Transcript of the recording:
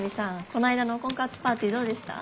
この間の婚活パーティーどうでした？